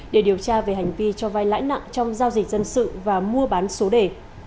để điều tra về hành vi cho vai lãi nặng trong giao dịch dân sự và mua bán số đề